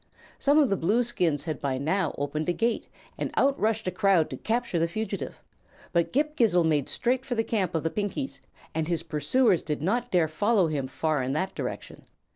Some of the Blueskins had by now opened a gate, and out rushed a crowd to capture the fugitive; but Ghip Ghisizzle made straight for the camp of the Pinkies and his pursuers did not dare follow him far in that direction.